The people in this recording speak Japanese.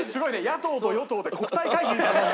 野党と与党で国対会議みたいに。